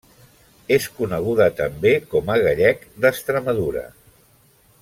És coneguda també com a gallec d'Extremadura.